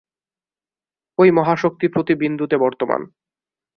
ঐ মহাশক্তি প্রতি বিন্দুতে বর্তমান।